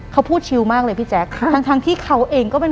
หลังจากนั้นเราไม่ได้คุยกันนะคะเดินเข้าบ้านอืม